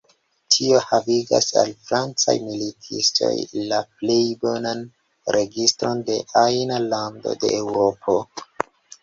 Tio havigas al francaj militistoj la plej bonan registron de ajna lando de Eŭropo".